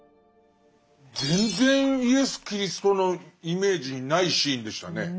全然イエス・キリストのイメージにないシーンでしたね。